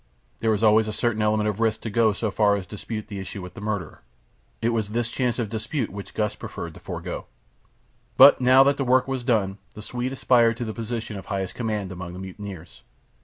There is always a certain element of risk to go so far as to dispute the issue with the murderer. It was this chance of dispute which Gust preferred to forgo. But now that the work was done the Swede aspired to the position of highest command among the mutineers.